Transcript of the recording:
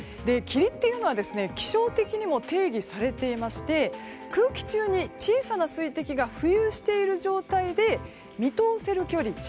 霧っていうのは気象的にも定義されていまして空気中に小さな水滴が浮遊している状態で見通せる距離